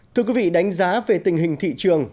thưa quý vị đánh giá về tình hình thị trường